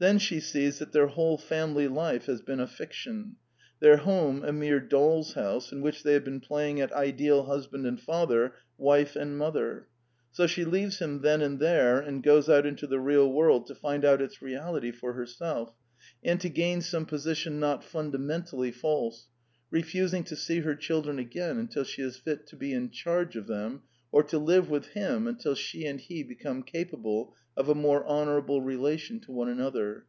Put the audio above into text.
Then she sees that their whole family life has been a fiction: their home a mere doll's house in which they have been playing at ideal husband and father, wife and mother. So she leaves him then and there and goes out into the real world to find out its reality for herself, and to gain some posi 92 The Quintessence of Ibsenism tion not fundamentally false, refusing to see her children again until she is fit to be in charge of them, or to live with him until she and he become capable of a more honorable relation to one another.